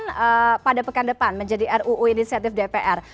kemudian pada pekan depan menjadi ruu inisiatif dpr